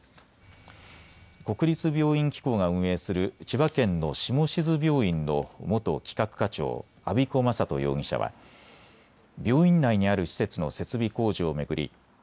国立病院機構が運営する千葉県の下志津病院の元企画課長、安彦昌人容疑者は病院内にある施設の設備工事を巡り